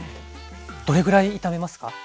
どれぐらい炒めますか？